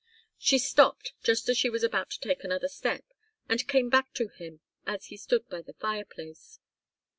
She stopped just as she was about to take another step, and came back to him as he stood by the fireplace.